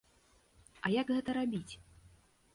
А як гэта рабіць?